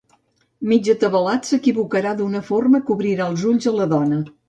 Mig atabalat, s'equivocarà d'una forma que obrirà els ulls a la dona.